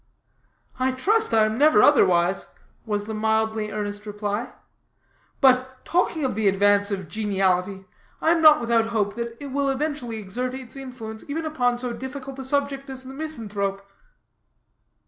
"I trust I am never otherwise," was the mildly earnest reply; "but talking of the advance of geniality, I am not without hopes that it will eventually exert its influence even upon so difficult a subject as the misanthrope."